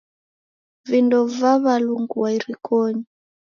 Vindo vaw'alungua irikonyi.